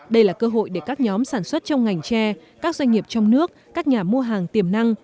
đây là cơ hội để các nhóm sản xuất trong ngành tre các doanh nghiệp trong nước các nhà mua hàng tiềm năng